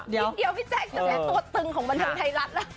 เดี๋ยวพี่แจ็คจะแบ่งตัวตึง